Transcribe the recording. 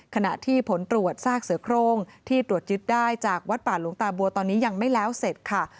ขณะที่ผลตรวจซากเสือโครงที่ตรวจยึดได้จากวัดป่าหลวงตาบัวตอนนี้ยังไม่แล้วเสร็จค่ะ